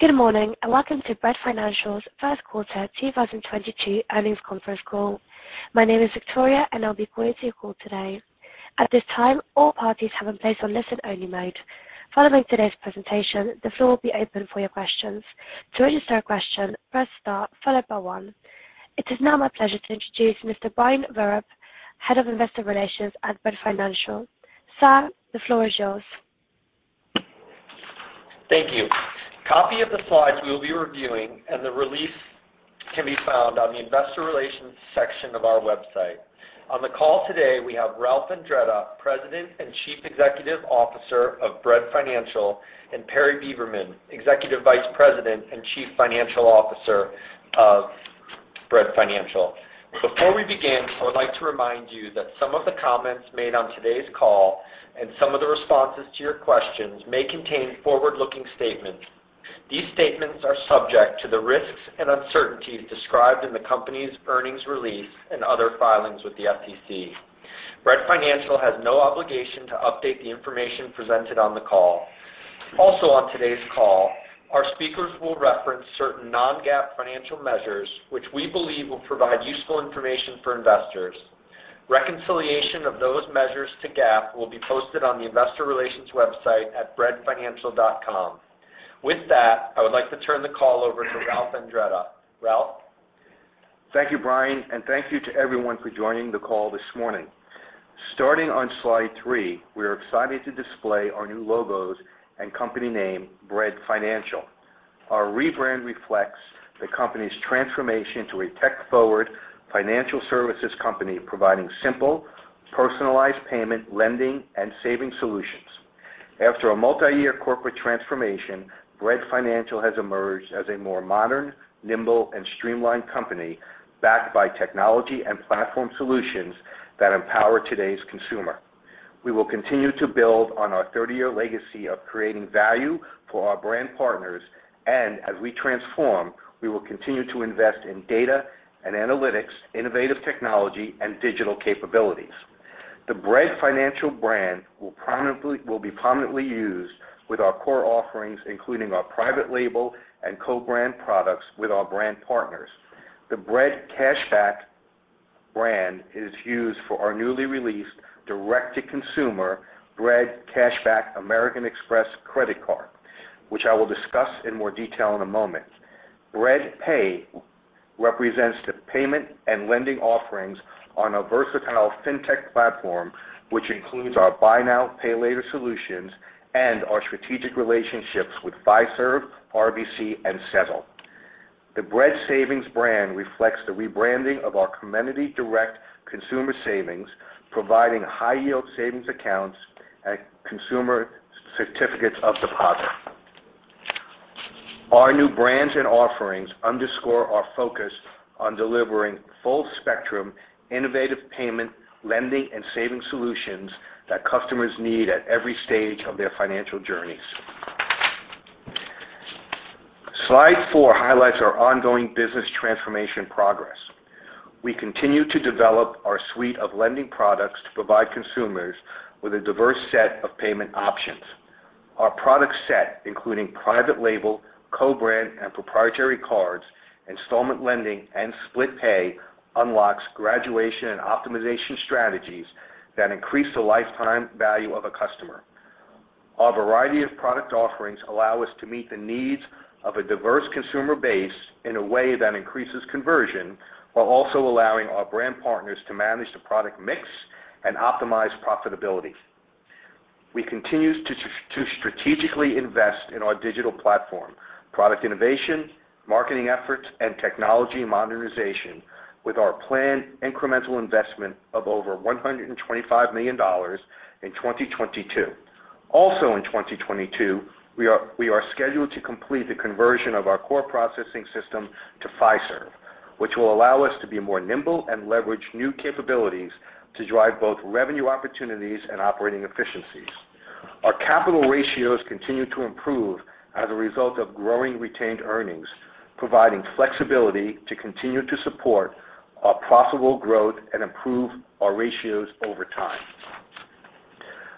Good morning, and welcome to Bread Financial's first quarter 2022 earnings conference call. My name is Victoria, and I'll be coordinating your call today. At this time, all parties have been placed on listen only mode. Following today's presentation, the floor will be open for your questions. To register a question, press star followed by one. It is now my pleasure to introduce Mr. Brian Vereb, Head of Investor Relations at Bread Financial. Sir, the floor is yours. Thank you. Copy of the slides we will be reviewing and the release can be found on the investor relations section of our website. On the call today, we have Ralph Andretta, President and Chief Executive Officer of Bread Financial, and Perry Beberman, Executive Vice President and Chief Financial Officer of Bread Financial. Before we begin, I would like to remind you that some of the comments made on today's call and some of the responses to your questions may contain forward-looking statements. These statements are subject to the risks and uncertainties described in the company's earnings release and other filings with the SEC. Bread Financial has no obligation to update the information presented on the call. Also on today's call, our speakers will reference certain non-GAAP financial measures, which we believe will provide useful information for investors. Reconciliation of those measures to GAAP will be posted on the investor relations website at breadfinancial.com. With that, I would like to turn the call over to Ralph Andretta. Ralph. Thank you, Brian, and thank you to everyone for joining the call this morning. Starting on slide 3, we are excited to display our new logos and company name, Bread Financial. Our rebrand reflects the company's transformation to a tech-forward financial services company providing simple, personalized payment, lending, and saving solutions. After a multi-year corporate transformation, Bread Financial has emerged as a more modern, nimble, and streamlined company backed by technology and platform solutions that empower today's consumer. We will continue to build on our 30-year legacy of creating value for our brand partners, and as we transform, we will continue to invest in data and analytics, innovative technology, and digital capabilities. The Bread Financial brand will be prominently used with our core offerings, including our private label and co-brand products with our brand partners. The Bread Cashback brand is used for our newly released direct-to-consumer Bread Cashback American Express credit card, which I will discuss in more detail in a moment. Bread Pay represents the payment and lending offerings on a versatile fintech platform, which includes our buy now, pay later solutions and our strategic relationships with Fiserv, RBC, and Sezzle. The Bread Savings brand reflects the rebranding of our Comenity Direct consumer savings, providing high-yield savings accounts and consumer certificates of deposit. Our new brands and offerings underscore our focus on delivering full-spectrum innovative payment, lending, and saving solutions that customers need at every stage of their financial journeys. Slide four highlights our ongoing business transformation progress. We continue to develop our suite of lending products to provide consumers with a diverse set of payment options. Our product set, including private label, co-brand, and proprietary cards, installment lending, and SplitPay, unlocks graduation and optimization strategies that increase the lifetime value of a customer. Our variety of product offerings allow us to meet the needs of a diverse consumer base in a way that increases conversion while also allowing our brand partners to manage the product mix and optimize profitability. We continue to strategically invest in our digital platform, product innovation, marketing efforts, and technology modernization with our planned incremental investment of over $125 million in 2022. Also in 2022, we are scheduled to complete the conversion of our core processing system to Fiserv, which will allow us to be more nimble and leverage new capabilities to drive both revenue opportunities and operating efficiencies. Our capital ratios continue to improve as a result of growing retained earnings, providing flexibility to continue to support our profitable growth and improve our ratios over time.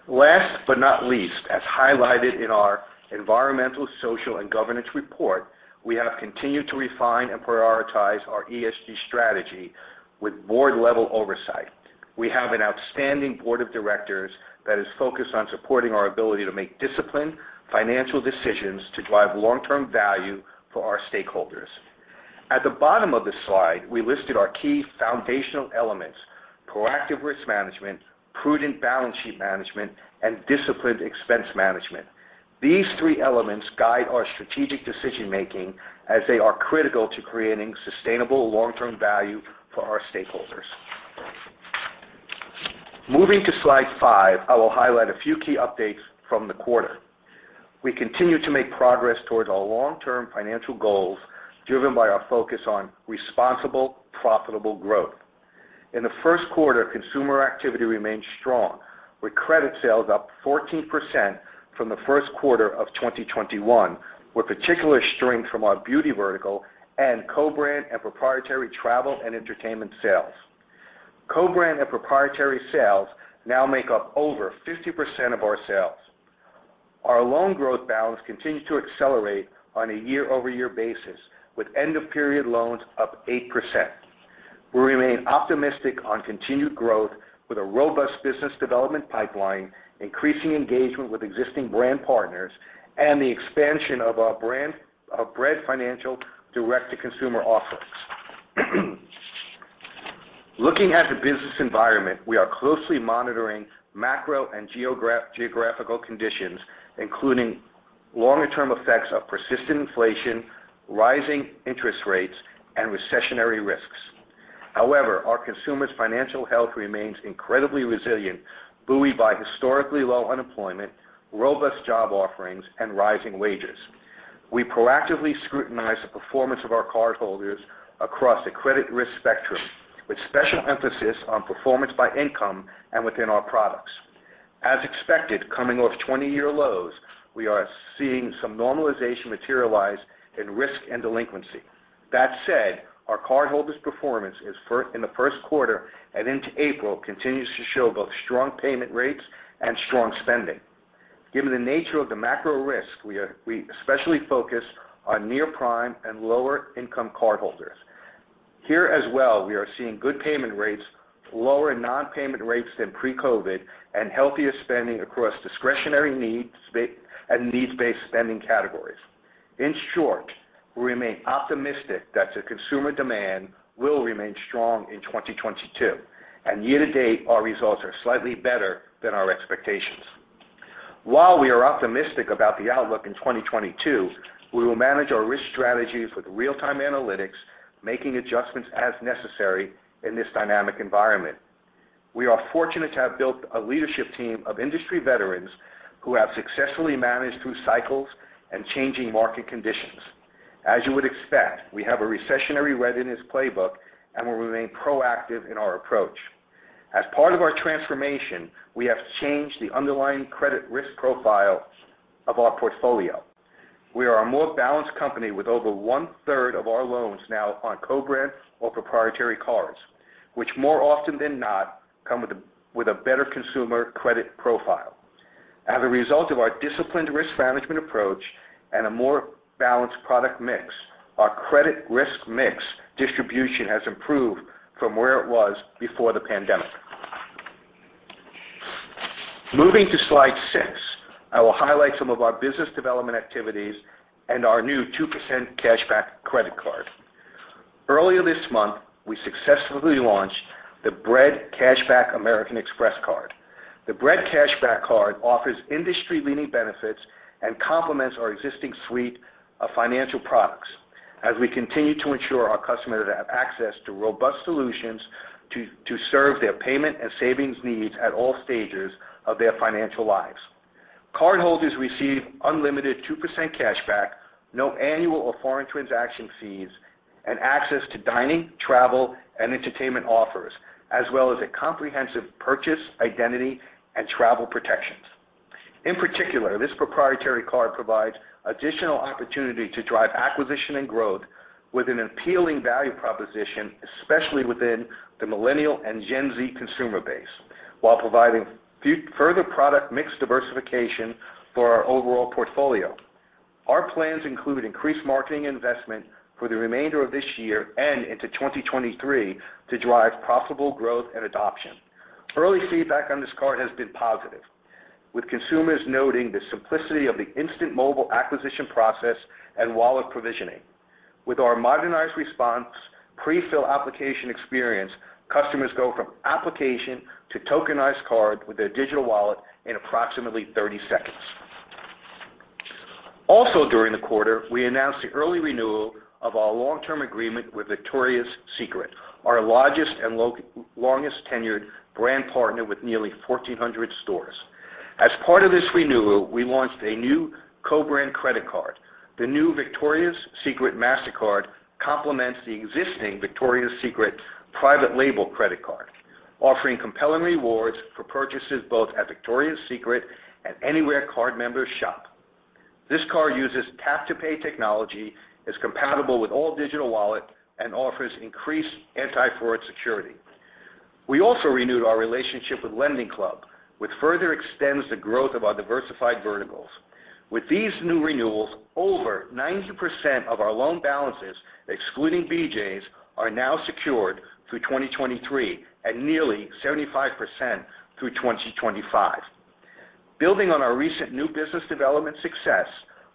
Last but not least, as highlighted in our environmental, social, and governance report, we have continued to refine and prioritize our ESG strategy with board-level oversight. We have an outstanding Board of Directors that is focused on supporting our ability to make disciplined financial decisions to drive long-term value for our stakeholders. At the bottom of this slide, we listed our key foundational elements, proactive risk management, prudent balance sheet management, and disciplined expense management. These three elements guide our strategic decision-making as they are critical to creating sustainable long-term value for our stakeholders. Moving to slide five, I will highlight a few key updates from the quarter. We continue to make progress towards our long-term financial goals driven by our focus on responsible, profitable growth. In the first quarter, consumer activity remained strong, with credit sales up 14% from the first quarter of 2021, with particular strength from our beauty vertical and co-brand and proprietary travel and entertainment sales. Co-brand and proprietary sales now make up over 50% of our sales. Our loan growth balance continues to accelerate on a year-over-year basis with end of period loans up 8%. We remain optimistic on continued growth with a robust business development pipeline, increasing engagement with existing brand partners, and the expansion of our brand of Bread Financial direct-to-consumer offerings. Looking at the business environment, we are closely monitoring macro and geographical conditions, including longer-term effects of persistent inflation, rising interest rates, and recessionary risks. However, our consumers' financial health remains incredibly resilient, buoyed by historically low unemployment, robust job offerings, and rising wages. We proactively scrutinize the performance of our cardholders across the credit risk spectrum, with special emphasis on performance by income and within our products. As expected, coming off 20-year lows, we are seeing some normalization materialize in risk and delinquency. That said, our cardholders' performance is in the first quarter and into April continues to show both strong payment rates and strong spending. Given the nature of the macro risk, we especially focus on near-prime and lower income cardholders. Here as well, we are seeing good payment rates, lower non-payment rates than pre-COVID, and healthier spending across discretionary needs and needs-based spending categories. In short, we remain optimistic that the consumer demand will remain strong in 2022, and year to date, our results are slightly better than our expectations. While we are optimistic about the outlook in 2022, we will manage our risk strategies with real-time analytics, making adjustments as necessary in this dynamic environment. We are fortunate to have built a leadership team of industry veterans who have successfully managed through cycles and changing market conditions. As you would expect, we have a recessionary readiness playbook, and we remain proactive in our approach. As part of our transformation, we have changed the underlying credit risk profile of our portfolio. We are a more balanced company with over one-third of our loans now on co-brand or proprietary cards, which more often than not come with a better consumer credit profile. As a result of our disciplined risk management approach and a more balanced product mix, our credit risk mix distribution has improved from where it was before the pandemic. Moving to slide 6, I will highlight some of our business development activities and our new 2% cashback credit card. Earlier this month, we successfully launched the Bread Cashback American Express card. The Bread Cashback card offers industry-leading benefits and complements our existing suite of financial products as we continue to ensure our customers have access to robust solutions to serve their payment and savings needs at all stages of their financial lives. Cardholders receive unlimited 2% cashback, no annual or foreign transaction fees, and access to dining, travel, and entertainment offers, as well as a comprehensive purchase, identity, and travel protections. In particular, this proprietary card provides additional opportunity to drive acquisition and growth with an appealing value proposition, especially within the Millennial and Gen Z consumer base, while providing further product mix diversification for our overall portfolio. Our plans include increased marketing investment for the remainder of this year and into 2023 to drive profitable growth and adoption. Early feedback on this card has been positive, with consumers noting the simplicity of the instant mobile acquisition process and wallet provisioning. With our modernized response pre-fill application experience, customers go from application to tokenized card with their digital wallet in approximately 30 seconds. Also during the quarter, we announced the early renewal of our long-term agreement with Victoria's Secret, our largest and longest-tenured brand partner with nearly 1,400 stores. As part of this renewal, we launched a new co-brand credit card. The new Victoria's Secret Mastercard complements the existing Victoria's Secret private label credit card, offering compelling rewards for purchases both at Victoria's Secret and anywhere card members shop. This card uses tap-to-pay technology, is compatible with all digital wallet, and offers increased anti-fraud security. We also renewed our relationship with LendingClub, which further extends the growth of our diversified verticals. With these new renewals, over 90% of our loan balances, excluding BJ's, are now secured through 2023, at nearly 75% through 2025. Building on our recent new business development success,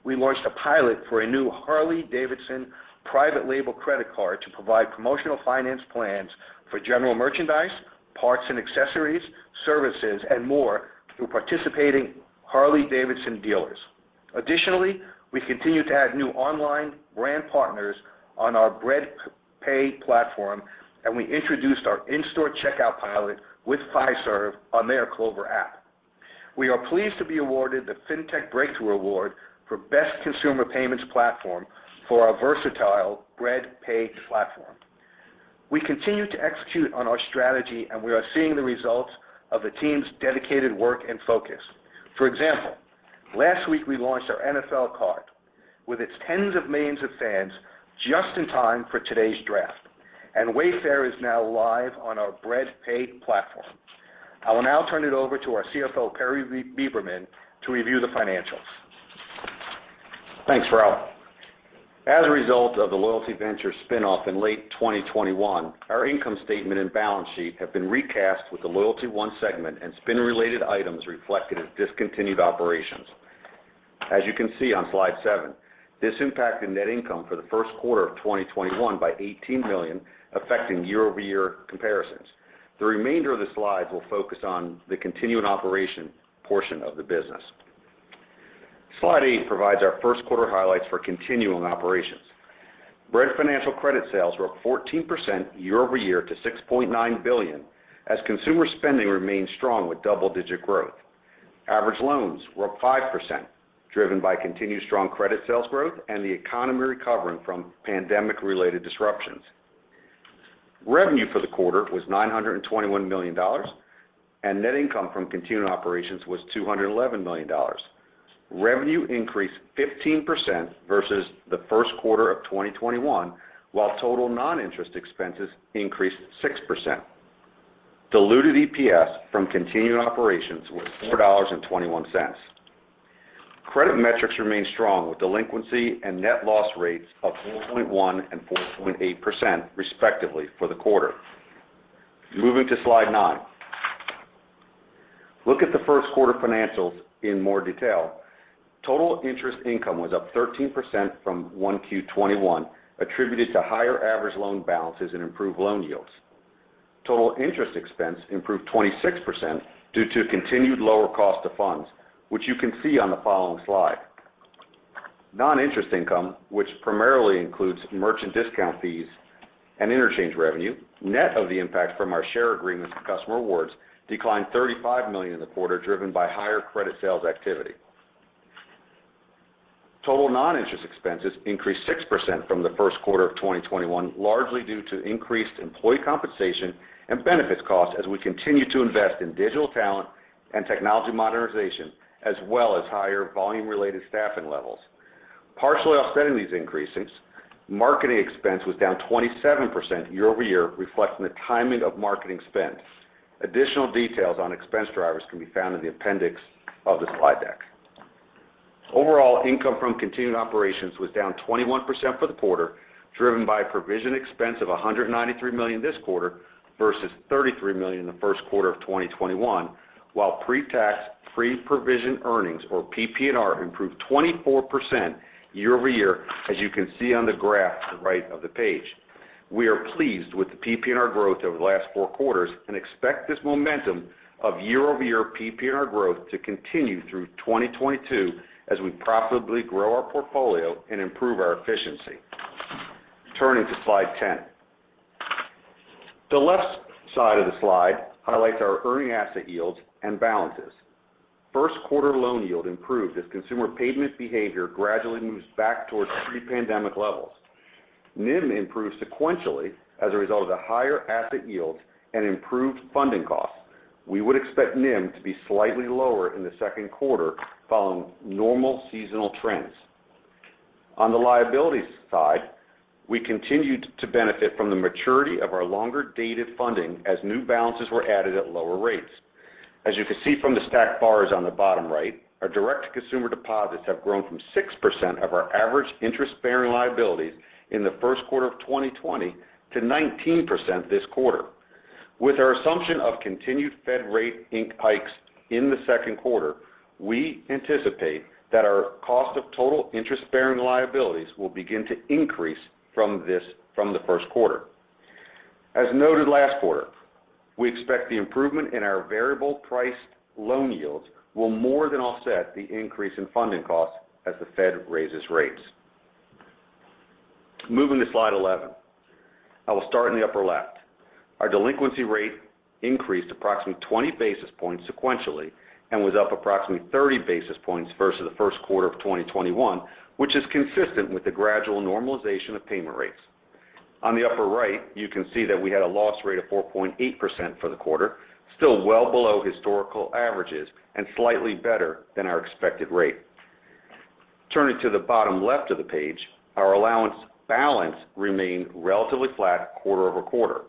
we launched a pilot for a new Harley-Davidson private label credit card to provide promotional finance plans for general merchandise, parts and accessories, services, and more through participating Harley-Davidson dealers. Additionally, we continue to add new online brand partners on our Bread Pay platform, and we introduced our in-store checkout pilot with Fiserv on their Clover app. We are pleased to be awarded the FinTech Breakthrough Award for Best Consumer Payments Platform for our versatile Bread Pay platform. We continue to execute on our strategy, and we are seeing the results of the team's dedicated work and focus. For example, last week we launched our NFL card with its tens of millions of fans just in time for today's draft. Wayfair is now live on our Bread Pay platform. I will now turn it over to our CFO, Perry Beberman, to review the financials. Thanks, Ralph. As a result of the Loyalty Ventures spin-off in late 2021, our income statement and balance sheet have been recast with the LoyaltyOne segment and spin-related items reflected as discontinued operations. As you can see on slide 7, this impacted net income for the first quarter of 2021 by $18 million, affecting year-over-year comparisons. The remainder of the slides will focus on the continuing operations portion of the business. Slide 8 provides our first quarter highlights for continuing operations. Bread Financial credit sales were up 14% year-over-year to $6.9 billion as consumer spending remained strong with double-digit growth. Average loans were up 5%, driven by continued strong credit sales growth and the economy recovering from pandemic-related disruptions. Revenue for the quarter was $921 million, and net income from continuing operations was $211 million. Revenue increased 15% versus the first quarter of 2021, while total non-interest expenses increased 6%. Diluted EPS from continuing operations was $4.21. Credit metrics remained strong with delinquency and net loss rates of 4.1% and 4.8% respectively for the quarter. Moving to slide 9. Look at the first quarter financials in more detail. Total interest income was up 13% from 1Q 2021, attributed to higher average loan balances and improved loan yields. Total interest expense improved 26% due to continued lower cost of funds, which you can see on the following slide. Non-interest income, which primarily includes merchant discount fees and interchange revenue, net of the impact from our share agreements with customer awards, declined $35 million in the quarter, driven by higher credit sales activity. Total non-interest expenses increased 6% from the first quarter of 2021, largely due to increased employee compensation and benefits costs as we continue to invest in digital talent and technology modernization, as well as higher volume-related staffing levels. Partially offsetting these increases, marketing expense was down 27% year-over-year, reflecting the timing of marketing spend. Additional details on expense drivers can be found in the appendix of the slide deck. Overall income from continued operations was down 21% for the quarter, driven by a provision expense of $193 million this quarter versus $33 million in the first quarter of 2021, while pre-tax, pre-provision earnings or PPNR improved 24% year-over-year, as you can see on the graph at the right of the page. We are pleased with the PPNR growth over the last four quarters and expect this momentum of year-over-year PPNR growth to continue through 2022 as we profitably grow our portfolio and improve our efficiency. Turning to slide 10. The left side of the slide highlights our earning asset yields and balances. First quarter loan yield improved as consumer payment behavior gradually moves back towards pre-pandemic levels. NIM improved sequentially as a result of the higher asset yields and improved funding costs. We would expect NIM to be slightly lower in the second quarter following normal seasonal trends. On the liabilities side, we continued to benefit from the maturity of our longer-dated funding as new balances were added at lower rates. As you can see from the stacked bars on the bottom right, our direct-to-consumer deposits have grown from 6% of our average interest-bearing liabilities in the first quarter of 2020 to 19% this quarter. With our assumption of continued Fed rate hikes in the second quarter, we anticipate that our cost of total interest-bearing liabilities will begin to increase from the first quarter. As noted last quarter, we expect the improvement in our variable priced loan yields will more than offset the increase in funding costs as the Fed raises rates. Moving to slide 11. I will start in the upper left. Our delinquency rate increased approximately 20 basis points sequentially and was up approximately 30 basis points versus the first quarter of 2021, which is consistent with the gradual normalization of payment rates. On the upper right, you can see that we had a loss rate of 4.8% for the quarter, still well below historical averages and slightly better than our expected rate. Turning to the bottom left of the page, our allowance balance remained relatively flat quarter-over-quarter.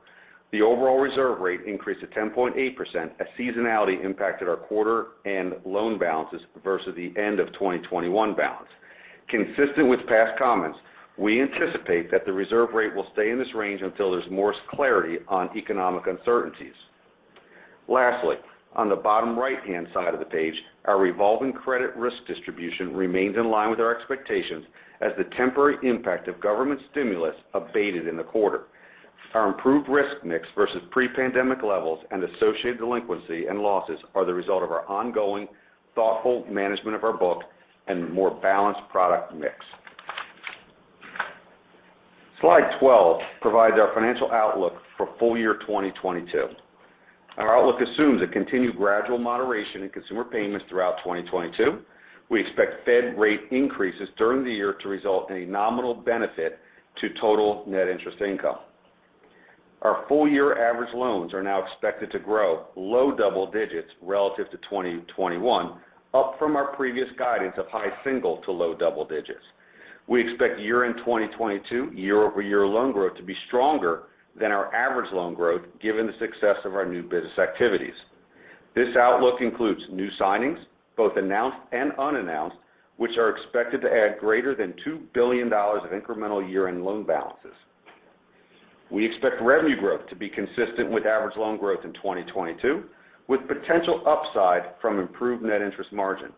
The overall reserve rate increased to 10.8% as seasonality impacted our quarter and loan balances versus the end of 2021 balance. Consistent with past comments, we anticipate that the reserve rate will stay in this range until there's more clarity on economic uncertainties. Lastly, on the bottom right-hand side of the page, our revolving credit risk distribution remains in line with our expectations as the temporary impact of government stimulus abated in the quarter. Our improved risk mix versus pre-pandemic levels and associated delinquency and losses are the result of our ongoing thoughtful management of our book and more balanced product mix. Slide 12 provides our financial outlook for full year 2022. Our outlook assumes a continued gradual moderation in consumer payments throughout 2022. We expect Fed rate increases during the year to result in a nominal benefit to total net interest income. Our full-year average loans are now expected to grow low double digits relative to 2021, up from our previous guidance of high single to low double digits. We expect year-end 2022 year-over-year loan growth to be stronger than our average loan growth given the success of our new business activities. This outlook includes new signings, both announced and unannounced, which are expected to add greater than $2 billion of incremental year-end loan balances. We expect revenue growth to be consistent with average loan growth in 2022, with potential upside from improved net interest margin.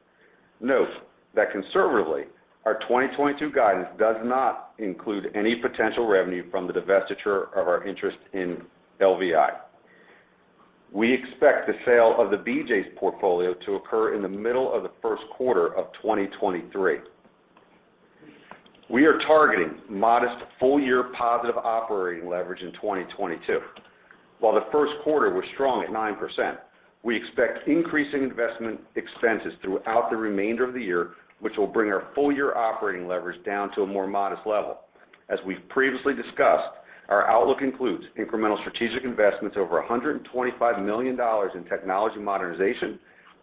Note that conservatively, our 2022 guidance does not include any potential revenue from the divestiture of our interest in LVI. We expect the sale of the BJ's portfolio to occur in the middle of the first quarter of 2023. We are targeting modest full-year positive operating leverage in 2022. While the first quarter was strong at 9%, we expect increasing investment expenses throughout the remainder of the year, which will bring our full-year operating leverage down to a more modest level. As we've previously discussed, our outlook includes incremental strategic investments over $125 million in technology modernization,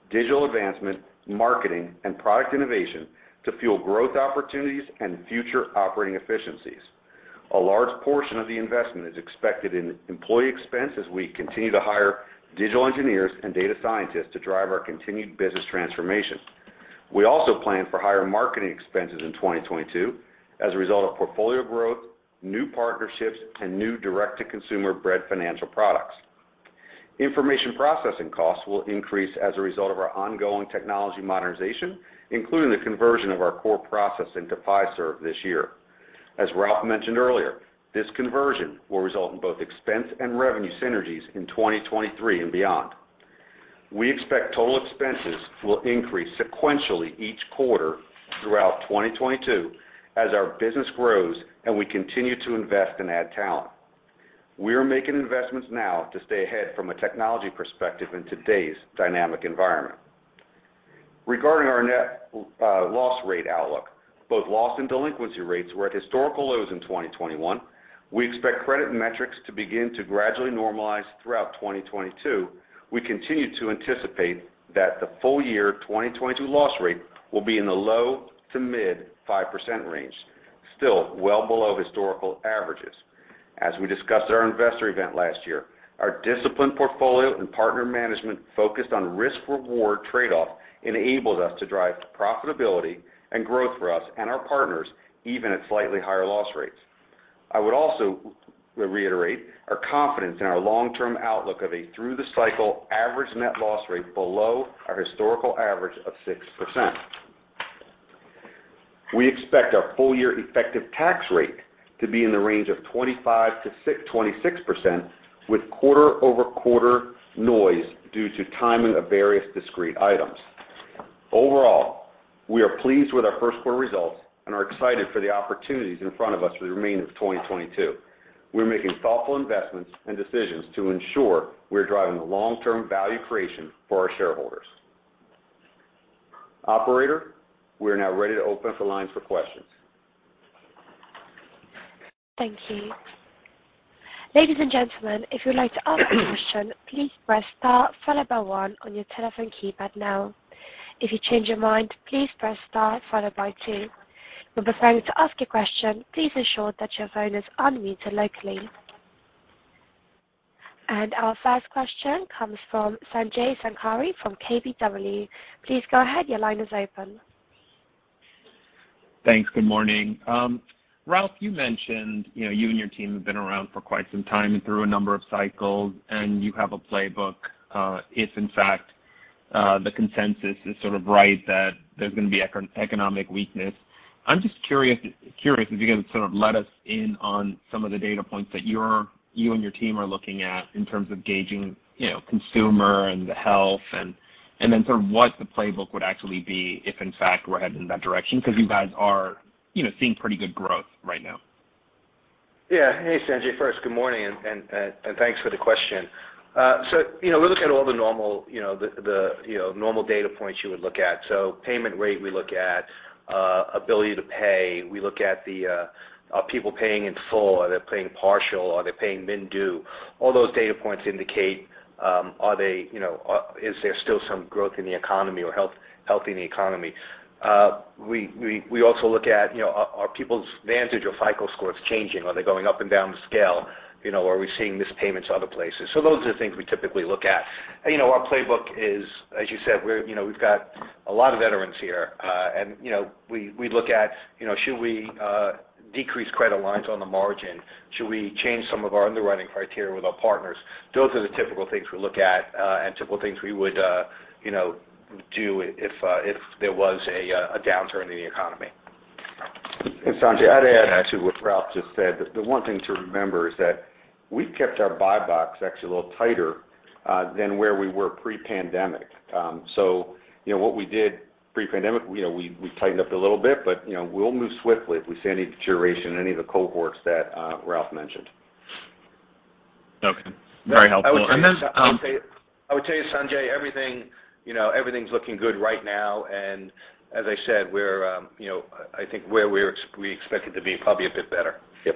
digital advancement, marketing, and product innovation to fuel growth opportunities and future operating efficiencies. A large portion of the investment is expected in employee expense as we continue to hire digital engineers and data scientists to drive our continued business transformation. We also plan for higher marketing expenses in 2022 as a result of portfolio growth, new partnerships, and new direct-to-consumer Bread Financial products. Information processing costs will increase as a result of our ongoing technology modernization, including the conversion of our core processing to Fiserv this year. As Ralph mentioned earlier, this conversion will result in both expense and revenue synergies in 2023 and beyond. We expect total expenses will increase sequentially each quarter throughout 2022 as our business grows and we continue to invest and add talent. We are making investments now to stay ahead from a technology perspective in today's dynamic environment. Regarding our net loss rate outlook, both loss and delinquency rates were at historical lows in 2021. We expect credit metrics to begin to gradually normalize throughout 2022. We continue to anticipate that the full-year 2022 loss rate will be in the low-to-mid 5% range, still well below historical averages. As we discussed at our investor event last year, our disciplined portfolio and partner management focused on risk/reward trade-off enables us to drive profitability and growth for us and our partners, even at slightly higher loss rates. I would also reiterate our confidence in our long-term outlook of a through the cycle average net loss rate below our historical average of 6%. We expect our full-year effective tax rate to be in the range of 25%-26% with quarter-over-quarter noise due to timing of various discrete items. Overall, we are pleased with our first quarter results and are excited for the opportunities in front of us for the remainder of 2022. We're making thoughtful investments and decisions to ensure we're driving the long-term value creation for our shareholders. Operator, we are now ready to open up the lines for questions. Thank you. Ladies and gentlemen, if you'd like to ask a question, please press star followed by one on your telephone keypad now. If you change your mind, please press star followed by two. When preparing to ask your question, please ensure that your phone is unmuted locally. Our first question comes from Sanjay Sakhrani from KBW. Please go ahead. Your line is open. Thanks. Good morning. Ralph, you mentioned, you know, you and your team have been around for quite some time and through a number of cycles, and you have a playbook, if in fact the consensus is sort of right that there's going to be economic weakness. I'm just curious if you can sort of let us in on some of the data points that you and your team are looking at in terms of gauging, you know, consumer and the health and then sort of what the playbook would actually be if in fact we're heading in that direction because you guys are, you know, seeing pretty good growth right now. Yeah. Hey, Sanjay. First, good morning and thanks for the question. You know, we're looking at all the normal data points you would look at. Payment rate, we look at ability to pay. We look at, are people paying in full? Are they paying partial? Are they paying min due? All those data points indicate, is there still some growth in the economy or health in the economy? We also look at, are people's VantageScore or FICO scores changing? Are they going up and down the scale? You know, are we seeing missed payments other places? Those are the things we typically look at. You know, our playbook is, as you said, we've got a lot of veterans here. you know, we look at, you know, should we decrease credit lines on the margin? Should we change some of our underwriting criteria with our partners? Those are the typical things we look at, and typical things we would do if there was a downturn in the economy. Sanjay, I'd add to what Ralph just said. The one thing to remember is that we've kept our buy box actually a little tighter than where we were pre-pandemic. you know, what we did pre-pandemic, you know, we tightened up a little bit, but, you know, we'll move swiftly if we see any deterioration in any of the cohorts that Ralph mentioned. Okay. Very helpful. I would tell you, Sanjay, everything, you know, everything's looking good right now. As I said, we're, you know, I think where we expect it to be, probably a bit better. Yep.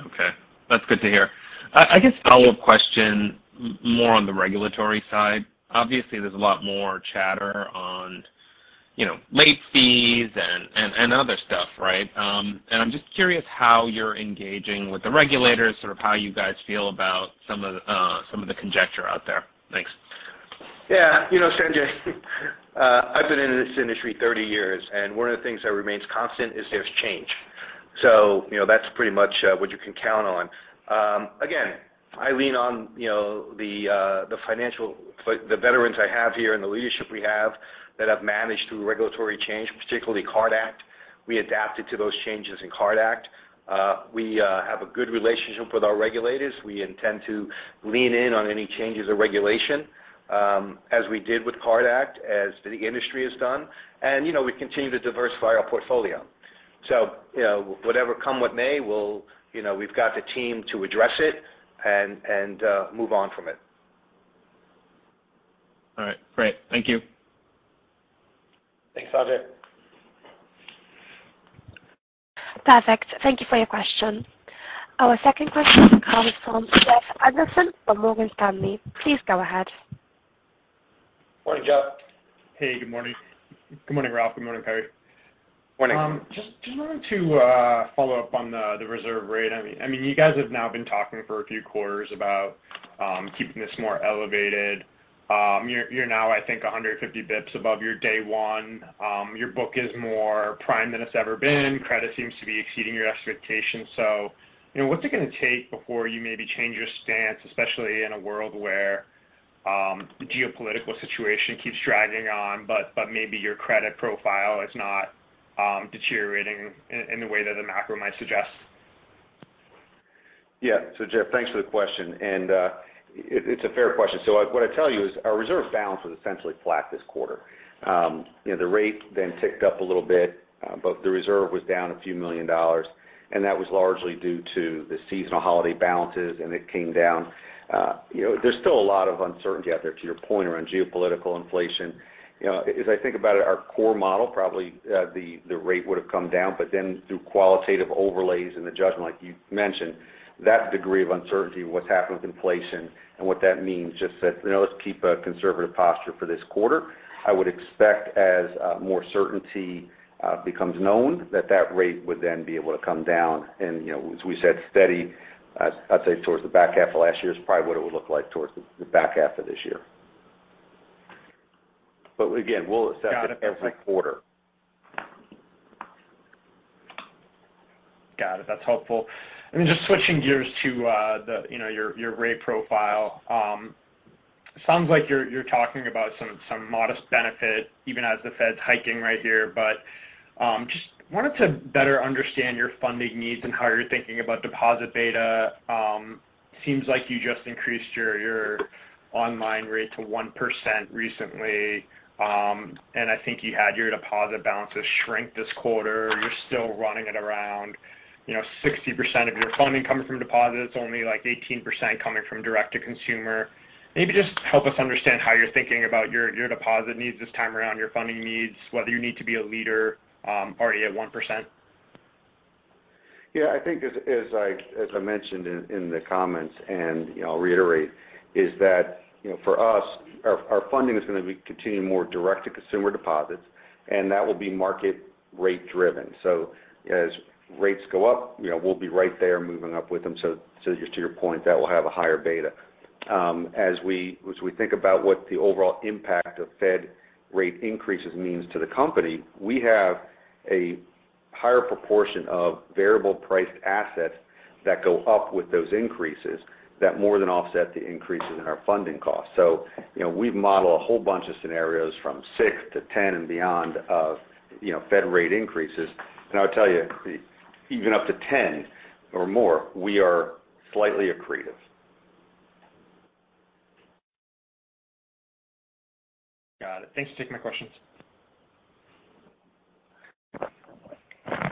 Okay. That's good to hear. I guess follow-up question more on the regulatory side. Obviously, there's a lot more chatter on, you know, late fees and other stuff, right? I'm just curious how you're engaging with the regulators, sort of how you guys feel about some of the conjecture out there. Thanks. Yeah. You know, Sanjay, I've been in this industry 30 years, and one of the things that remains constant is there's change. You know, that's pretty much what you can count on. Again, I lean on, you know, the financial veterans I have here and the leadership we have that have managed through regulatory change, particularly CARD Act. We adapted to those changes in CARD Act. We have a good relationship with our regulators. We intend to lean in on any changes of regulation, as we did with CARD Act, as the industry has done. You know, we continue to diversify our portfolio. You know, whatever come what may, we've got the team to address it and move on from it. All right. Great. Thank you. Thanks, Sanjay. Perfect. Thank you for your question. Our second question comes from Jeff Adelson from Morgan Stanley. Please go ahead. Morning, Jeff. Hey, good morning. Good morning, Ralph. Good morning, Perry. Morning. Just wanted to follow up on the reserve rate. I mean, you guys have now been talking for a few quarters about keeping this more elevated. You're now, I think, 150 basis points above your day one. Your book is more prime than it's ever been. Credit seems to be exceeding your expectations. You know, what's it gonna take before you maybe change your stance, especially in a world where geopolitical situation keeps dragging on, but maybe your credit profile is not deteriorating in the way that the macro might suggest? Yeah. Jeff, thanks for the question. It's a fair question. What I'd tell you is our reserve balance was essentially flat this quarter. You know, the rate then ticked up a little bit, but the reserve was down few million, and that was largely due to the seasonal holiday balances, and it came down. You know, there's still a lot of uncertainty out there, to your point, around geopolitical inflation. You know, as I think about it, our core model, probably, the rate would have come down, but then through qualitative overlays and the judgment like you mentioned, that degree of uncertainty, what's happened with inflation and what that means, just that, you know, let's keep a conservative posture for this quarter. I would expect as more certainty becomes known that that rate would then be able to come down. You know, as we said, steady, I'd say towards the back half of last year is probably what it would look like towards the back half of this year. Again, we'll assess it every quarter. Got it. That's helpful. I mean, just switching gears to the, you know, your rate profile. Sounds like you're talking about some modest benefit even as the Fed's hiking right here. Just wanted to better understand your funding needs and how you're thinking about deposit beta. Seems like you just increased your online rate to 1% recently. I think you had your deposit balances shrink this quarter. You're still running it around, you know, 60% of your funding coming from deposits, only like 18% coming from direct to consumer. Maybe just help us understand how you're thinking about your deposit needs this time around, your funding needs, whether you need to be a leader, already at 1%. Yeah. I think as I mentioned in the comments, you know, I'll reiterate, is that, you know, for us, our funding is gonna be continuing more direct to consumer deposits, and that will be market rate driven. As rates go up, you know, we'll be right there moving up with them. Just to your point, that will have a higher beta. As we think about what the overall impact of Fed rate increases means to the company, we have a higher proportion of variable priced assets that go up with those increases that more than offset the increases in our funding costs. You know, we model a whole bunch of scenarios from 6 to 10 and beyond of, you know, Fed rate increases. I'll tell you, even up to 10 or more, we are slightly accretive. Got it. Thanks for taking my questions.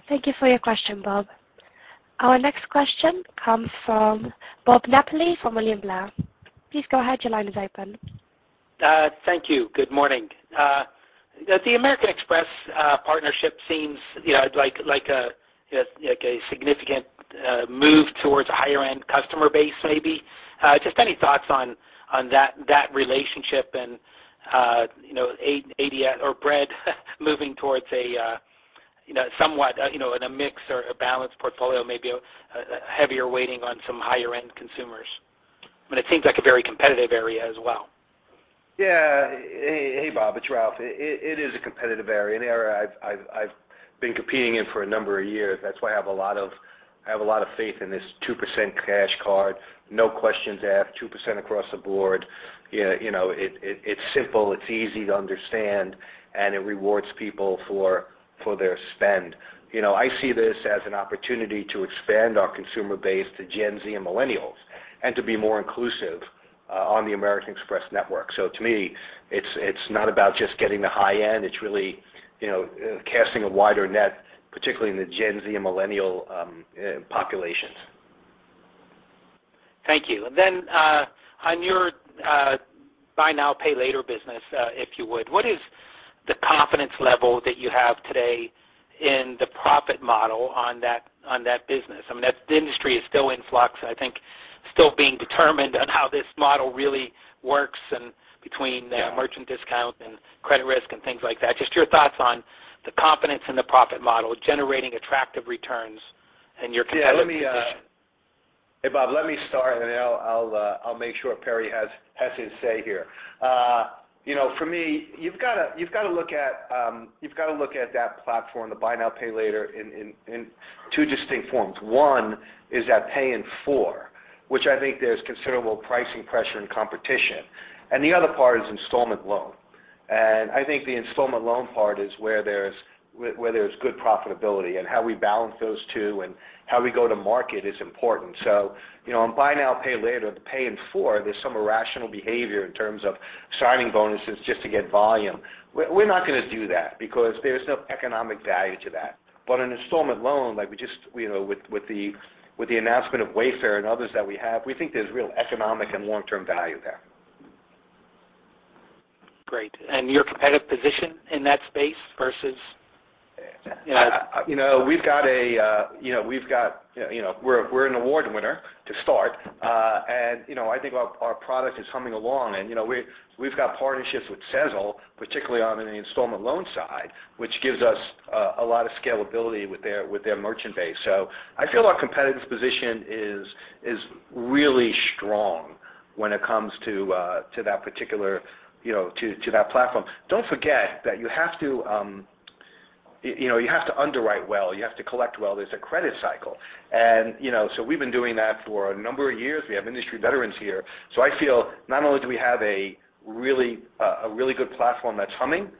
Thank you for your question, Bob. Our next question comes from Bob Napoli from William Blair. Please go ahead. Your line is open. Thank you. Good morning. The American Express partnership seems, you know, like a significant move towards a higher end customer base, maybe. Just any thoughts on that relationship and, you know, ADS or Bread moving towards a, you know, somewhat in a mix or a balanced portfolio, maybe a heavier weighting on some higher end consumers. It seems like a very competitive area as well. Yeah. Hey, Bob, it's Ralph. It is a competitive area, an area I've been competing in for a number of years. That's why I have a lot of faith in this 2% cash card, no questions asked, 2% across the board. You know, it's simple, it's easy to understand, and it rewards people for their spend. You know, I see this as an opportunity to expand our consumer base to Gen Z and millennials and to be more inclusive on the American Express network. To me, it's not about just getting the high end. It's really, you know, casting a wider net. Particularly in the Gen Z and millennial populations. Thank you. On your buy now, pay later business, if you would, what is the confidence level that you have today in the profit model on that business? I mean that the industry is still in flux, I think still being determined on how this model really works and between- Yeah. The merchant discount and credit risk and things like that. Just your thoughts on the confidence in the profit model generating attractive returns and your competitive position. Yeah. Let me... Hey, Bob, let me start, and then I'll make sure Perry has his say here. You know, for me, you've gotta look at that platform, the buy now, pay later in two distinct forms. One is that pay in four, which I think there's considerable pricing pressure and competition, and the other part is installment loan. I think the installment loan part is where there's good profitability. How we balance those two and how we go to market is important. You know, on buy now, pay later, the pay in four, there's some irrational behavior in terms of signing bonuses just to get volume. We're not gonna do that because there's no economic value to that. An installment loan, like we just, you know, with the announcement of Wayfair and others that we have, we think there's real economic and long-term value there. Great. Your competitive position in that space versus, you know. You know, we're an award winner to start. You know, I think our product is humming along and, you know, we've got partnerships with Sezzle, particularly on the installment loan side, which gives us a lot of scalability with their merchant base. I feel our competitive position is really strong when it comes to that particular, you know, to that platform. Don't forget that you have to, you know, you have to underwrite well, you have to collect well. There's a credit cycle. You know, we've been doing that for a number of years. We have industry veterans here. I feel not only do we have a really good platform that's humming,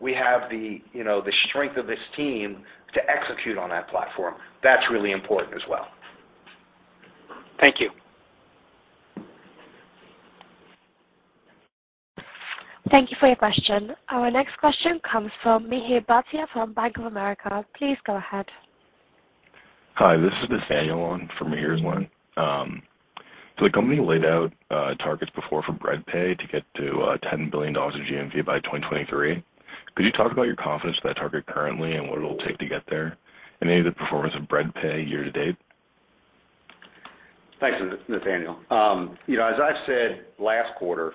we have, you know, the strength of this team to execute on that platform. That's really important as well. Thank you. Thank you for your question. Our next question comes from Mihir Bhatia from Bank of America. Please go ahead. Hi, this is Nathaniel on for Mihir's one. The company laid out targets before for Bread Pay to get to $10 billion of GMV by 2023. Could you talk about your confidence for that target currently and what it'll take to get there? Any of the performance of Bread Pay year to date? Thanks, Nathaniel. You know, as I've said last quarter,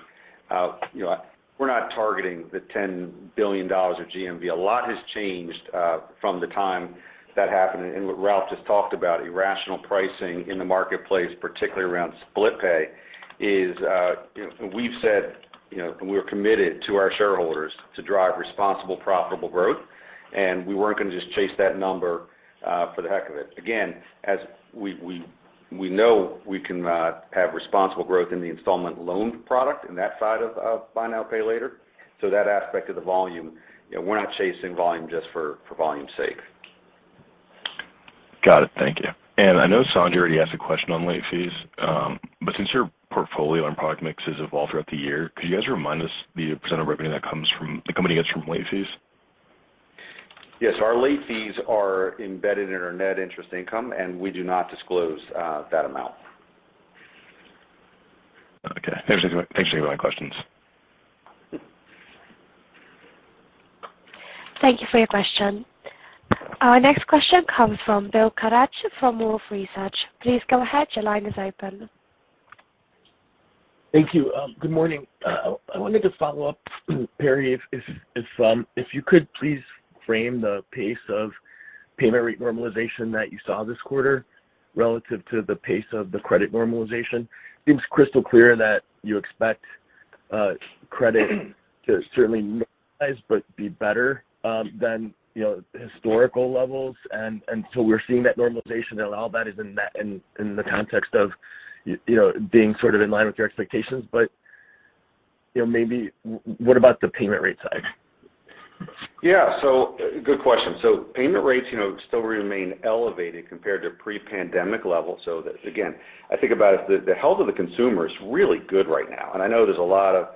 you know, we're not targeting the $10 billion of GMV. A lot has changed from the time that happened. What Ralph just talked about, irrational pricing in the marketplace, particularly around SplitPay, is, you know, we've said, you know, we're committed to our shareholders to drive responsible, profitable growth, and we weren't gonna just chase that number for the heck of it. Again, as we know we can have responsible growth in the installment loan product in that side of buy now, pay later. That aspect of the volume, you know, we're not chasing volume just for volume's sake. Got it. Thank you. I know Sanjay already asked a question on late fees, but since your portfolio and product mix has evolved throughout the year, could you guys remind us the percent of revenue the company gets from late fees? Yes. Our late fees are embedded in our net interest income, and we do not disclose that amount. Okay. Thanks for taking my questions. Thank you for your question. Our next question comes from Bill Carcache from Wolfe Research. Please go ahead. Your line is open. Thank you. Good morning. I wanted to follow up, Perry, if you could please frame the pace of payment rate normalization that you saw this quarter relative to the pace of the credit normalization. It's crystal clear that you expect credit to certainly normalize but be better than, you know, historical levels. We're seeing that normalization and all that is in that context of being sort of in line with your expectations. You know, maybe what about the payment rate side? Yeah. Good question. Payment rates, you know, still remain elevated compared to pre-pandemic levels. Again, I think about it, the health of the consumer is really good right now. I know there's a lot of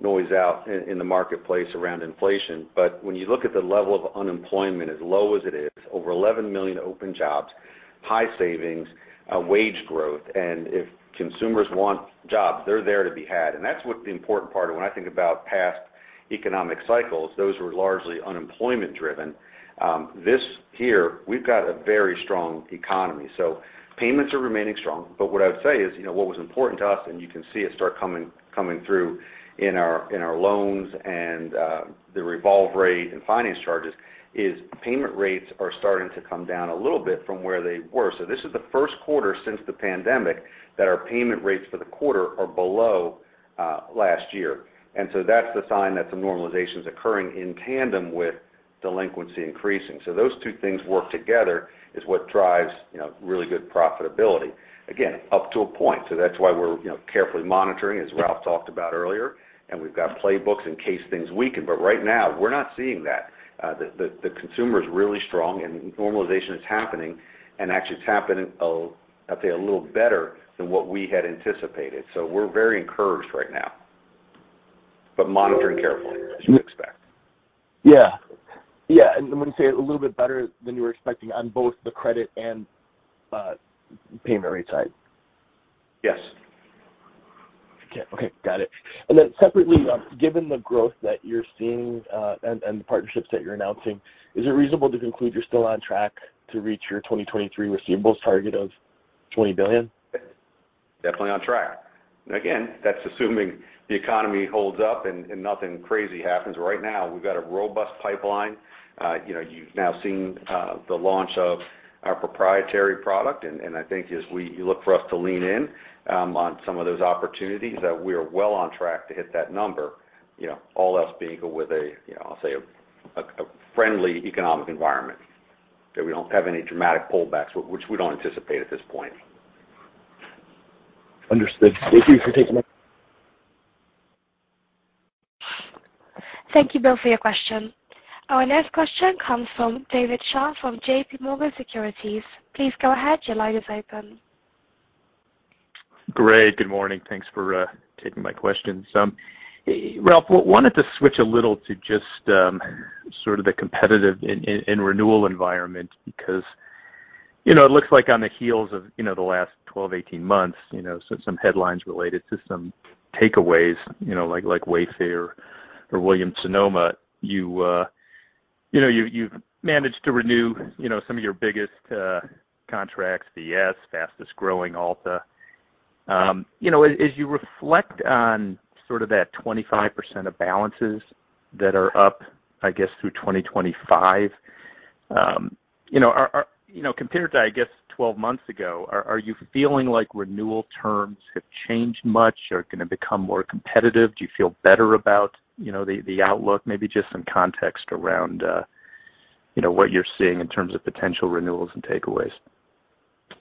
noise out in the marketplace around inflation. When you look at the level of unemployment, as low as it is, over 11 million open jobs, high savings, wage growth, and if consumers want jobs, they're there to be had. That's what the important part. When I think about past economic cycles, those were largely unemployment driven. This year, we've got a very strong economy. Payments are remaining strong. What I would say is, you know, what was important to us, and you can see it start coming through in our loans and the revolve rate and finance charges is payment rates are starting to come down a little bit from where they were. This is the first quarter since the pandemic that our payment rates for the quarter are below last year. That's the sign that the normalization is occurring in tandem with delinquency increasing. Those two things work together is what drives, you know, really good profitability. Again, up to a point. That's why we're, you know, carefully monitoring, as Ralph talked about earlier, and we've got playbooks in case things weaken. Right now, we're not seeing that. The consumer is really strong and normalization is happening and actually it's happening. I'd say a little better than what we had anticipated. We're very encouraged right now. Monitoring carefully as you expect. Yeah. Yeah, when you say a little bit better than you were expecting on both the credit and payment rate side. Yes. Okay. Got it. Separately, given the growth that you're seeing, and the partnerships that you're announcing, is it reasonable to conclude you're still on track to reach your 2023 receivables target of $20 billion? Definitely on track. Again, that's assuming the economy holds up and nothing crazy happens. Right now, we've got a robust pipeline. You know, you've now seen the launch of our proprietary product, and I think as you look for us to lean in on some of those opportunities that we are well on track to hit that number, you know, all else being with a, you know, I'll say a friendly economic environment, that we don't have any dramatic pullbacks, which we don't anticipate at this point. Understood. Thank you for taking my Thank you, Bill, for your question. Our next question comes from David Scharf from JMP Securities. Please go ahead. Your line is open. Greg, good morning. Thanks for taking my questions. Ralph, wanted to switch a little to just sort of the competitive and renewal environment because, you know, it looks like on the heels of, you know, the last 12, 18 months, you know, so some headlines related to some takeaways, you know, like Wayfair or Williams-Sonoma, you know, you've managed to renew, you know, some of your biggest contracts, VS, fastest-growing Ulta. You know, as you reflect on sort of that 25% of balances that are up, I guess, through 2025, you know, are you feeling like renewal terms have changed much or gonna become more competitive compared to, I guess, 12 months ago? Do you feel better about, you know, the outlook? Maybe just some context around, you know, what you're seeing in terms of potential renewals and takeaways.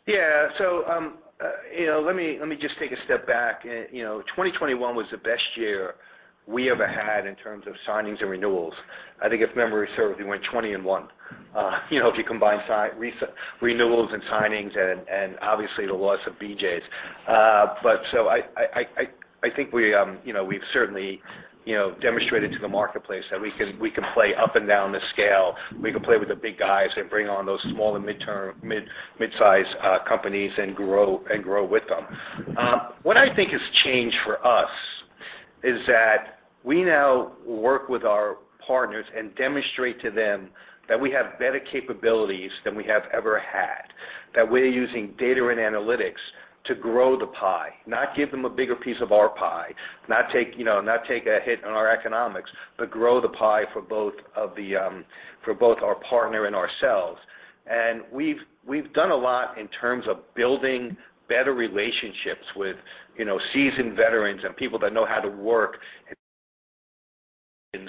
Yeah. Let me just take a step back. You know, 2021 was the best year we ever had in terms of signings and renewals. I think if memory serves, we went 20-1, you know, if you combine signings and renewals and obviously the loss of BJ's. I think we, you know, we've certainly, you know, demonstrated to the marketplace that we can play up and down the scale. We can play with the big guys and bring on those small and mid-size companies and grow with them. What I think has changed for us is that we now work with our partners and demonstrate to them that we have better capabilities than we have ever had, that we're using data and analytics to grow the pie, not give them a bigger piece of our pie, not take, you know, not take a hit on our economics, but grow the pie for both our partner and ourselves. We've done a lot in terms of building better relationships with, you know, seasoned veterans and people that know how to work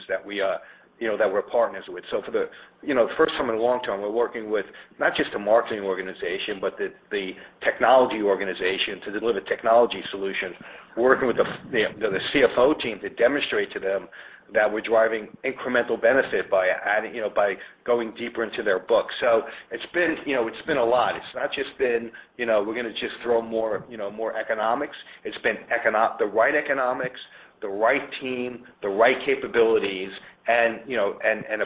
that we are, you know, that we're partners with. For the, you know, first time in a long time, we're working with not just a marketing organization, but the technology organization to deliver technology solutions, working with the CFO team to demonstrate to them that we're driving incremental benefit by adding, you know, by going deeper into their books. It's been, you know, it's been a lot. It's not just been, you know, we're gonna just throw more, you know, more economics. It's been the right economics, the right team, the right capabilities and, you know,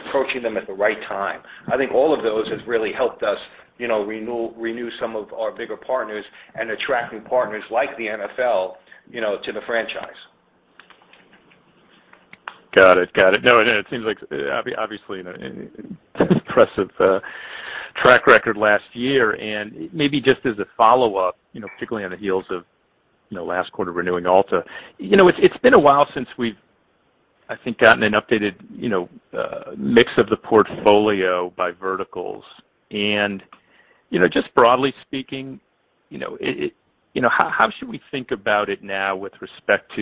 approaching them at the right time. I think all of those have really helped us, you know, renew some of our bigger partners and attracting partners like the NFL, you know, to the franchise. Got it. No, it seems like obviously an impressive track record last year. Maybe just as a follow-up, you know, particularly on the heels of, you know, last quarter renewing Ulta. You know, it's been a while since we've, I think, gotten an updated, you know, mix of the portfolio by verticals. You know, just broadly speaking, you know, it you know, how should we think about it now with respect to,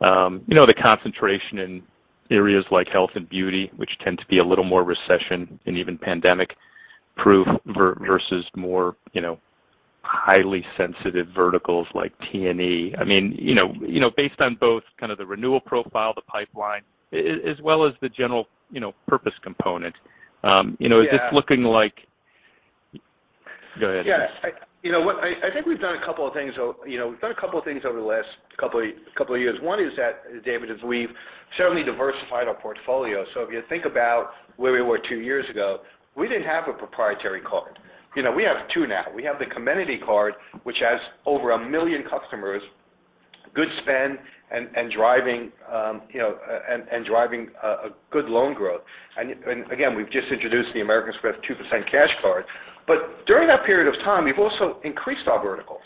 you know, the concentration in areas like health and beauty, which tend to be a little more recession and even pandemic-proof versus more, you know, highly sensitive verticals like TNE? I mean, you know, based on both kind of the renewal profile, the pipeline, as well as the general, you know, purpose component, you know. Yeah. Go ahead. Yeah. You know what? I think we've done a couple of things over the last couple of years. One is that, David, we've certainly diversified our portfolio. If you think about where we were two years ago, we didn't have a proprietary card. You know, we have two now. We have the Comenity card, which has over a million customers, good spend, and driving, you know, and driving a good loan growth. Again, we've just introduced the American Express 2% cash card. During that period of time, we've also increased our verticals.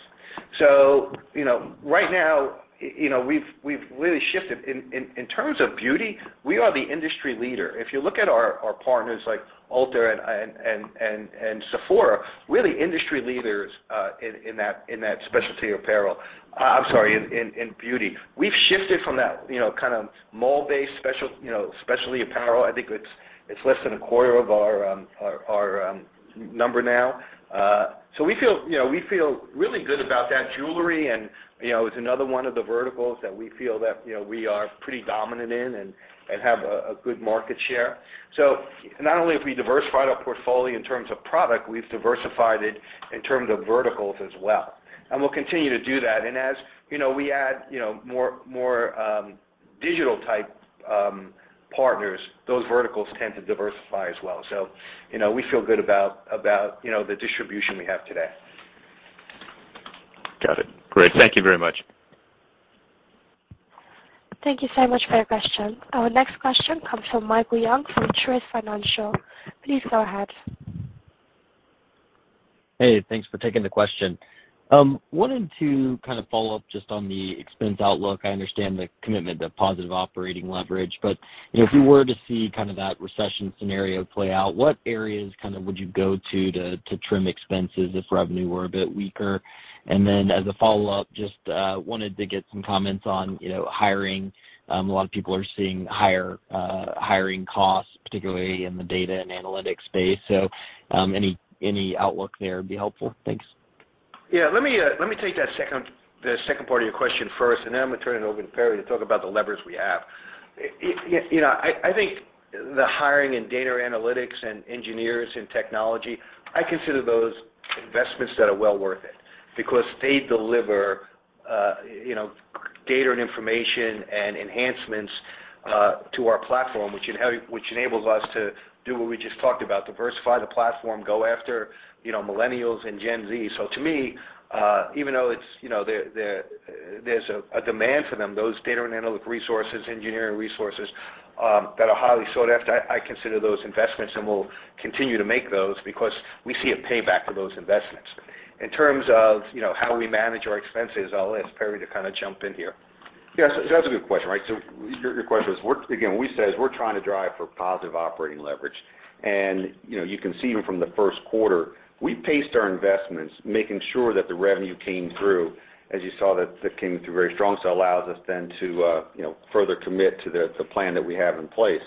You know, right now, you know, we've really shifted. In terms of beauty, we are the industry leader. If you look at our partners like Ulta and Sephora, really industry leaders in that specialty apparel. I'm sorry, in beauty. We've shifted from that, you know, kind of mall-based specialty apparel. I think it's less than a quarter of our number now. We feel, you know, really good about that. Jewelry and, you know, is another one of the verticals that we feel that, you know, we are pretty dominant in and have a good market share. Not only have we diversified our portfolio in terms of product, we've diversified it in terms of verticals as well. We'll continue to do that. As, you know, we add, you know, more digital type partners, those verticals tend to diversify as well. you know, we feel good about, you know, the distribution we have today. Got it. Great. Thank you very much. Thank you so much for your question. Our next question comes from Michael Young from Truist Securities. Please go ahead. Hey, thanks for taking the question. Wanted to kind of follow up just on the expense outlook. I understand the commitment to positive operating leverage, but, you know, if you were to see kind of that recession scenario play out, what areas kind of would you go to to trim expenses if revenue were a bit weaker? Then as a follow-up, just wanted to get some comments on, you know, hiring. A lot of people are seeing higher hiring costs, particularly in the data and analytics space. So, any outlook there would be helpful. Thanks. Yeah. Let me take that second part of your question first, and then I'm gonna turn it over to Perry to talk about the levers we have. You know, I think the hiring in data analytics and engineers in technology, I consider those investments that are well worth it because they deliver, you know, data and information and enhancements to our platform, which enables us to do what we just talked about, diversify the platform, go after, you know, Millennials and Gen Z. To me, even though it's, you know, there is a demand for them, those data and analytic resources, engineering resources, that are highly sought after, I consider those investments, and we'll continue to make those because we see a payback for those investments. In terms of, you know, how we manage our expenses, I'll ask Perry to kind of jump in here. Yes. That's a good question, right? Your question is, we're— Again, we said we're trying to drive for positive operating leverage. You know, you can see even from the first quarter, we paced our investments making sure that the revenue came through, as you saw, that came through very strong. Allows us then to, you know, further commit to the plan that we have in place.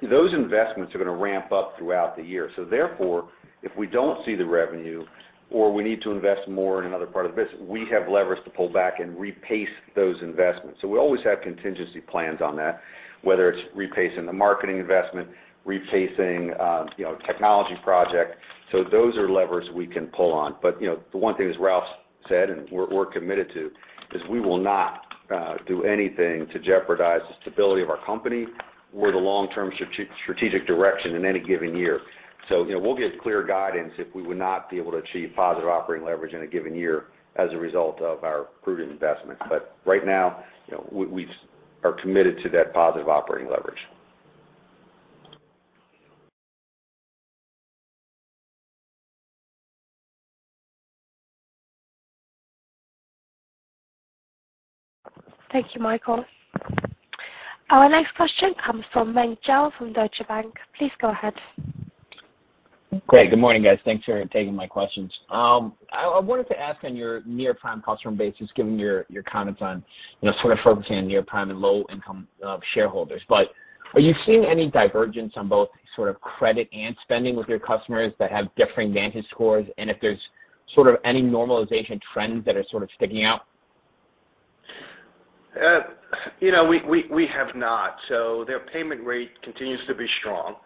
Those investments are gonna ramp up throughout the year. Therefore, if we don't see the revenue or we need to invest more in another part of the business, we have levers to pull back and repace those investments. We always have contingency plans on that, whether it's repacing the marketing investment, repacing, you know, technology project. Those are levers we can pull on. You know, the one thing as Ralph said and we're committed to is we will not do anything to jeopardize the stability of our company or the long-term strategic direction in any given year. You know, we'll give clear guidance if we would not be able to achieve positive operating leverage in a given year as a result of our prudent investments. Right now, you know, we are committed to that positive operating leverage. Thank you, Michael. Our next question comes from Meng Jiao from Deutsche Bank. Please go ahead. Great. Good morning, guys. Thanks for taking my questions. I wanted to ask on your near-prime customer base, just given your comments on, you know, sort of focusing on near-prime and low-income shareholders. Are you seeing any divergence on both sort of credit and spending with your customers that have differing VantageScore scores, and if there's sort of any normalization trends that are sort of sticking out? You know, we have not. Their payment rate continues to be strong,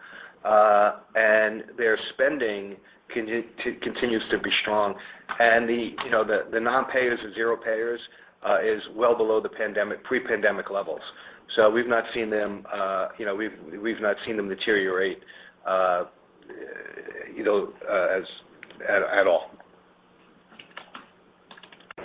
and their spending continues to be strong. The non-payers or zero payers is well below pre-pandemic levels. We've not seen them deteriorate at all.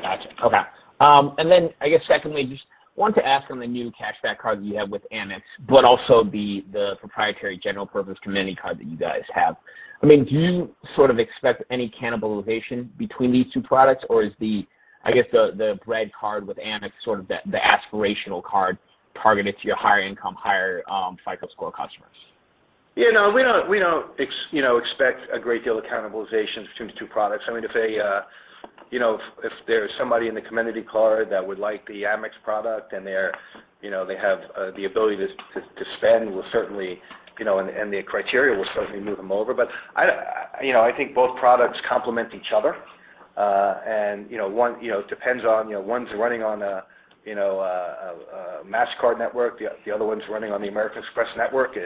Gotcha. Okay. I guess secondly, just wanted to ask on the new cashback card that you have with Amex, but also the proprietary general purpose Comenity card that you guys have. I mean, do you sort of expect any cannibalization between these two products, or is the, I guess, the Bread card with Amex sort of the aspirational card targeted to your higher income, higher FICO score customers? You know, we don't expect a great deal of cannibalization between the two products. I mean, if there's somebody in the Comenity card that would like the Amex product and they have the ability to spend, we'll certainly move them over if they meet the criteria. But you know, I think both products complement each other. You know, one's running on a Mastercard network, the other one's running on the American Express network.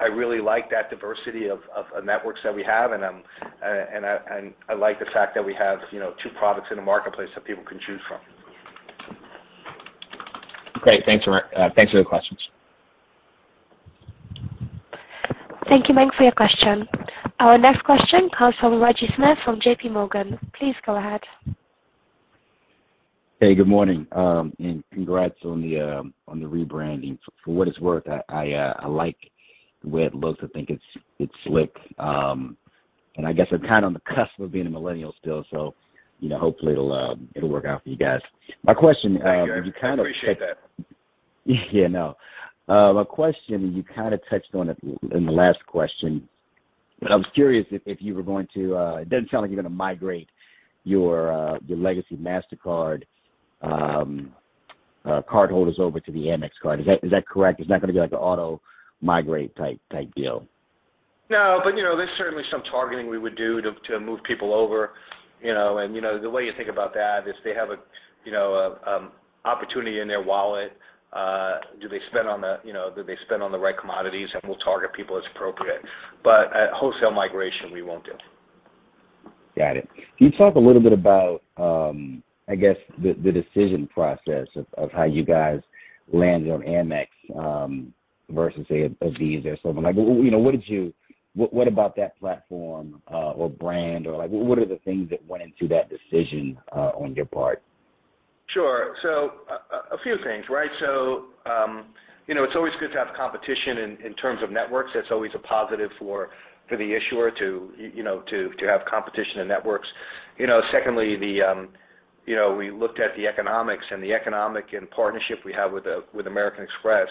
I really like that diversity of networks that we have, and I like the fact that we have, you know, two products in the marketplace that people can choose from. Great. Thanks for the questions. Thank you, Meng, for your question. Our next question comes from Reginald Smith from JPMorgan. Please go ahead. Hey, good morning. Congrats on the rebranding. For what it's worth, I like the way it looks. I think it's slick. I guess I'm kind of on the cusp of being a Millennial still, so you know, hopefully it'll work out for you guys. My question. Thank you. You kind of- I appreciate that. Yeah, no. My question, you kinda touched on it in the last question, but I was curious if you were going to. It doesn't sound like you're gonna migrate your legacy Mastercard cardholders over to the Amex card. Is that correct? It's not gonna be like a auto migrate type deal. No, you know, there's certainly some targeting we would do to move people over, you know. You know, the way you think about that is they have a, you know, opportunity in their wallet, do they spend on the right commodities, and we'll target people as appropriate. A wholesale migration, we won't do. Got it. Can you talk a little bit about, I guess the decision process of how you guys landed on Amex, versus say a Visa or something. Like you know, what about that platform or brand or like what are the things that went into that decision on your part? Sure. A few things, right? You know, it's always good to have competition in terms of networks. That's always a positive for the issuer to you know, to have competition in networks. You know, secondly, you know, we looked at the economics and the economic partnership we have with American Express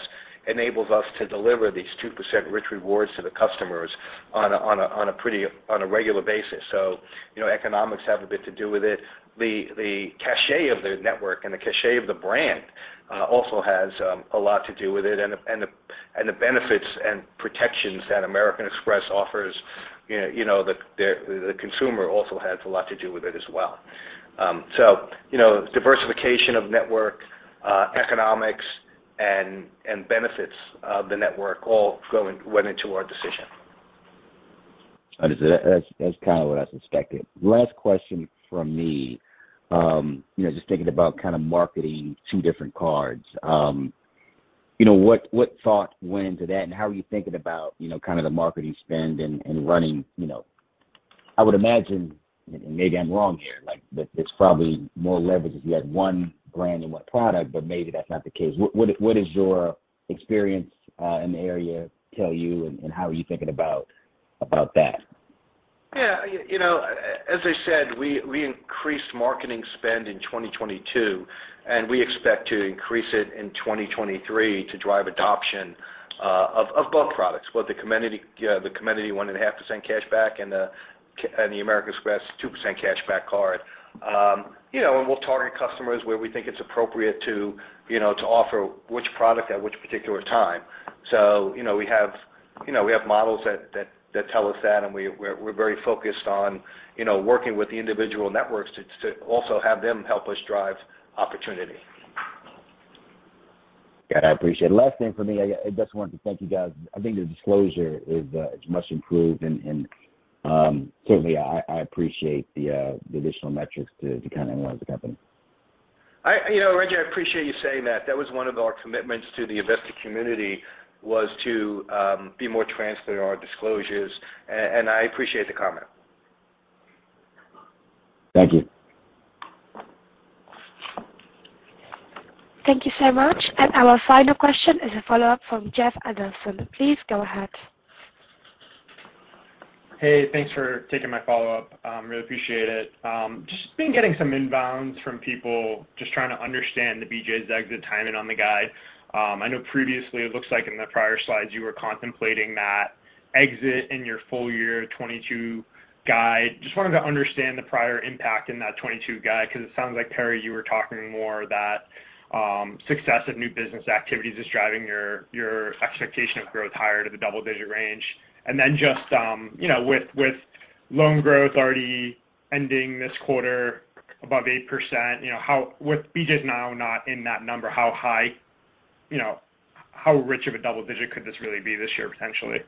enables us to deliver these 2% rich rewards to the customers on a regular basis. You know, economics have a bit to do with it. The cachet of the network and the cachet of the brand also has a lot to do with it. The benefits and protections that American Express offers, you know, the consumer also has a lot to do with it as well. You know, diversification of network economics and benefits of the network all went into our decision. Understood. That's kinda what I suspected. Last question from me. You know, just thinking about kinda marketing two different cards. You know, what thought went into that and how are you thinking about, you know, kinda the marketing spend and running, you know. I would imagine, and maybe I'm wrong here, like that there's probably more leverage if you had one brand and one product, but maybe that's not the case. What does your experience in the area tell you and how are you thinking about that? Yeah, you know, as I said, we increased marketing spend in 2022, and we expect to increase it in 2023 to drive adoption of both products, both the Comenity 1.5% cashback and the American Express 2% cashback card. You know, and we'll target customers where we think it's appropriate to offer which product at which particular time. You know, we have models that tell us that, and we're very focused on working with the individual networks to also have them help us drive opportunity. Yeah, I appreciate it. Last thing from me. I just wanted to thank you guys. I think the disclosure is much improved and certainly I appreciate the additional metrics to kinda analyze the company. You know, Reggie, I appreciate you saying that. That was one of our commitments to the investor community was to be more transparent in our disclosures, and I appreciate the comment. Thank you. Thank you so much. Our final question is a follow-up from Jeff Adelson. Please go ahead. Hey, thanks for taking my follow-up. Really appreciate it. Just been getting some inbounds from people just trying to understand the BJ's exit timing on the guide. I know previously it looks like in the prior slides you were contemplating that exit in your full year 2022 guide. Just wanted to understand the prior impact in that 2022 guide because it sounds like, Perry, you were talking more that success of new business activities is driving your expectation of growth higher to the double digit range. Just, you know, with loan growth already ending this quarter above 8%, you know, with BJ's now not in that number, how high, you know, how rich of a double digit could this really be this year potentially?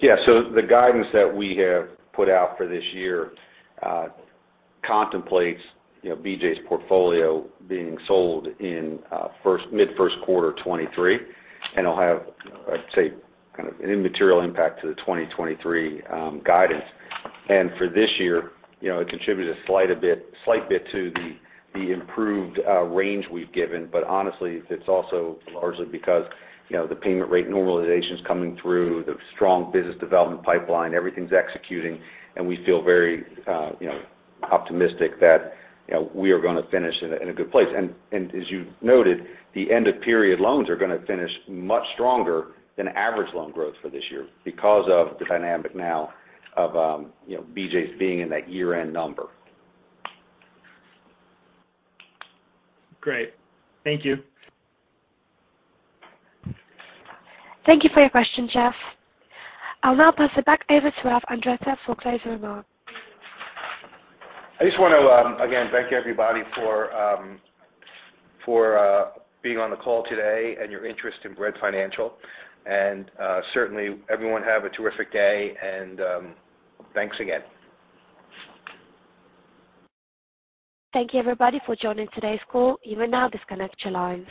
Yeah. The guidance that we have put out for this year contemplates, you know, BJ's portfolio being sold in mid-first quarter 2023. It'll have, I'd say, kind of an immaterial impact to the 2023 guidance. For this year, you know, it contributes a slight bit to the improved range we've given. But honestly, it's also largely because, you know, the payment rate normalization's coming through the strong business development pipeline. Everything's executing, and we feel very, you know, optimistic that, you know, we are gonna finish in a good place. As you noted, the end of period loans are gonna finish much stronger than average loan growth for this year because of the dynamic now of, you know, BJ's being in that year-end number. Great. Thank you. Thank you for your question, Jeff. I'll now pass it back over to Ralph Andretta for closing remarks. I just wanna again thank everybody for being on the call today and your interest in Bread Financial. Certainly everyone have a terrific day, and thanks again. Thank you everybody for joining today's call. You may now disconnect your lines.